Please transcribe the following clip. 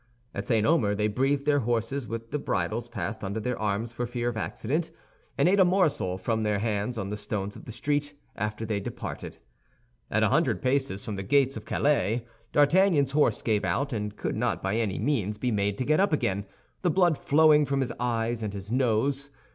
At St. Omer they breathed their horses with the bridles passed under their arms for fear of accident, and ate a morsel from their hands on the stones of the street, after they departed again. At a hundred paces from the gates of Calais, D'Artagnan's horse gave out, and could not by any means be made to get up again, the blood flowing from his eyes and his nose.